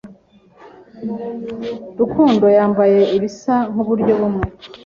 Rukundo yambaye ibisa nkuburyo bumwe.